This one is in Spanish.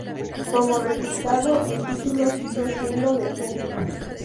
Como resultado, el título siguió siendo de Punk.